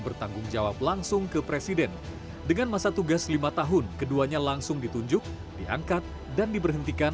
bertanggung jawab langsung ke presiden dengan masa tugas lima tahun keduanya langsung ditunjuk diangkat dan diberhentikan